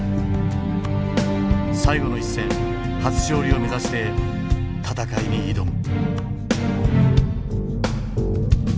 最後の一戦初勝利を目指して戦いに挑む。